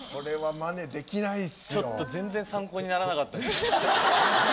ちょっと全然参考にならなかったです。